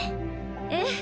ええ！